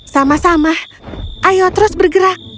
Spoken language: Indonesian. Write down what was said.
sama sama ayo terus bergerak